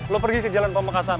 lo pergi ke jalan pamekasan